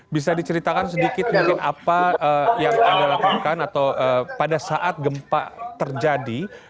bisa diceritakan sedikit mungkin apa yang anda lakukan atau pada saat gempa terjadi